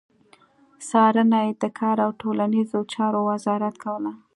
څارنه يې د کار او ټولنيزو چارو وزارت کوله.